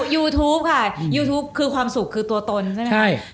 ยูทูปค่ะยูทูปคือความสุขคือตัวตนใช่ไหมใช่